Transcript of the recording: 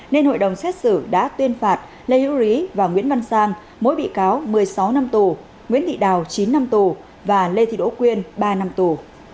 nên hội đồng xét xử đã tuyên phạt lê hữu rí và nguyễn văn sang mỗi bị cáo một mươi sáu năm tù nguyễn thị đào chín năm tù và lê thị đỗ quyên ba năm tù